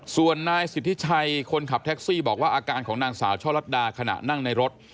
ส่วนนายสิทธิชัยคนขับแท็กซี่บอกว่าอาการของนางสาวช่อลัดดาขณะนั่งในรถ